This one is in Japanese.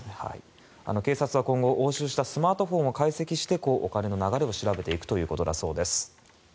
警察は今後、押収したスマートフォンを解析してお金の流れを調べていくことだそうです。